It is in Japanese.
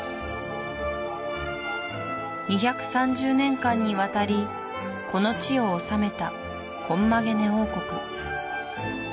２３０年間にわたりこの地を治めたコンマゲネ王国